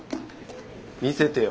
見せてよ。